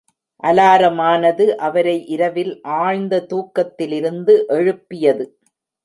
அலாரமானது, அவரை இரவில் ஆழ்ந்த தூக்கத்திலிருந்து எழுப்பியது.